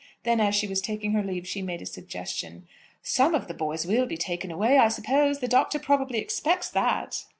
Then as she was taking her leave, she made a suggestion. "Some of the boys will be taken away, I suppose. The Doctor probably expects that."